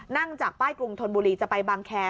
นั่งจากป้ายกรุงธนบุรีจะไปบางแคร์